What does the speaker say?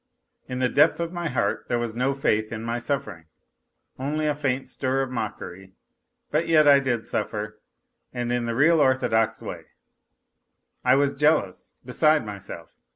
In the depth of my heart there was no faith in my suffering, only a faint stir of mockery, but yet I did suffer, and in the real, orthodox way; I was jealous, beside myself